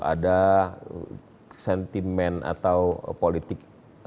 ada sentimen atau politik